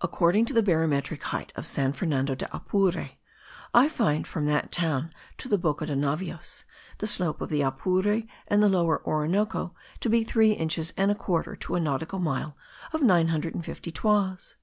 According to the barometric height of San Fernando de Apure, I find from that town to the Boca de Navios the slope of the Apure and the Lower Orinoco to be three inches and a quarter to a nautical mile of nine hundred and fifty toises.